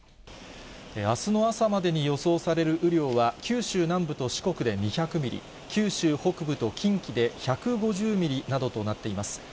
あすの朝までに予想される雨量は、九州南部と四国で２００ミリ、九州北部と近畿で１５０ミリなどとなっています。